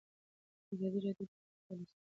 ازادي راډیو د مالي پالیسي پرمختګ سنجولی.